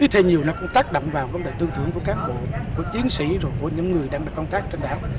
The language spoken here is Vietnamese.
thế nhiều nó cũng tác động vào vấn đề tư tưởng của các bộ của chiến sĩ rồi của những người đang được công tác trên đảo